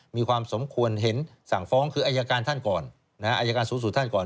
มีความสมควรเห็นสั่งฟ้องคืออายาการสูงสุดท่านก่อน